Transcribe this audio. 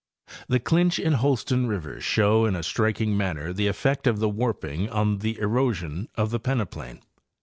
The Clinch and Holston rivers show in a striking manner the effect of the warping on the erosion of the peneplain.